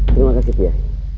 terima kasih tia